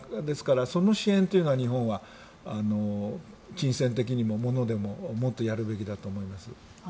ですから、その支援というのは日本は金銭的にも、物でももっとやるべきだと思います。